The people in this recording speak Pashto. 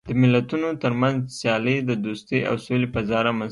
د ملتونو ترمنځ سیالۍ د دوستۍ او سولې فضا رامنځته کوي.